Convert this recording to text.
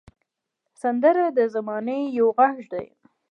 سندره د زمانې یو غږ دی